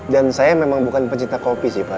dan saya memang bukan pecinta kopi sih pak